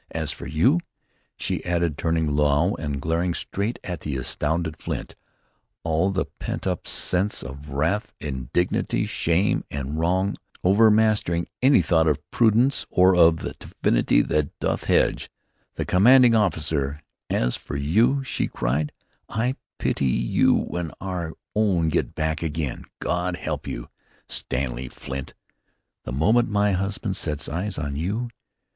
As for you," she added, turning now and glaring straight at the astounded Flint, all the pent up sense of wrath, indignity, shame and wrong overmastering any thought of prudence or of "the divinity that doth hedge" the commanding officer, "As for you," she cried, "I pity you when our own get back again! God help you, Stanley Flint, the moment my husband sets eyes on you.